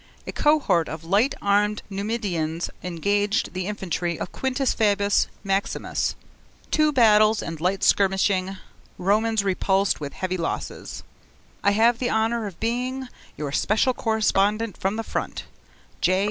A cohort of light armed Numidians engaged the infantry of Quintus Fabius Maximus. Two battles and light skirmishing. Romans repulsed with heavy losses. I have the honour of being, Your special correspondent from the front, J.